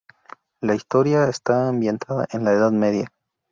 La historia está ambientada en la Edad Media.